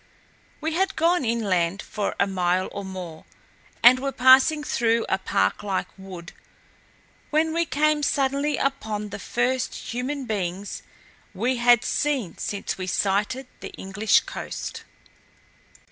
We had gone inland for a mile or more, and were passing through a park like wood, when we came suddenly upon the first human beings we had seen since we sighted the English coast.